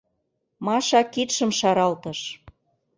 — Маша кидшым шаралтыш.